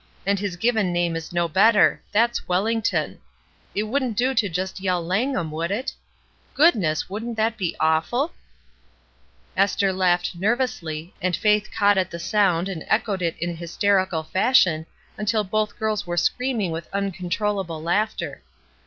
And his given name is no better; that's 'Welhngton.' It wouldn't do to just yell ' Langham ' would it ? Goodness ! wouldn't that be awful I ^^ Esther laughed nervously, and Faith caught at the sound and echoed it in hysterical fashion, until both girls were screaming with uncontrol 166 ESTER RIED'S NAMESAKE lable laughter.